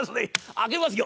開けますよ。